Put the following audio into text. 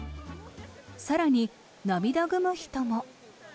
更に、涙ぐむ人も。